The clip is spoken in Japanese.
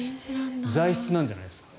材質なんじゃないですか。